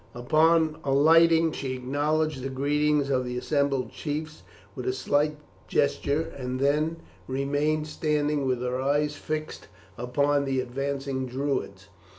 Upon alighting she acknowledged the greeting of the assembled chiefs with a slight gesture, and then remained standing with her eyes fixed upon the advancing Druids.